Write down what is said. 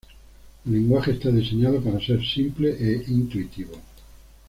El lenguaje está diseñado para ser simple e intuitivo.